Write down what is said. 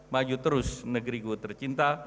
maju terus negeri gu tercinta